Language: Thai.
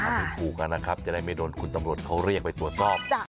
อัพพิธีครับนะครับจะได้ไม่โดนคุณตำรถเขาเรียกไปตรวจสอบ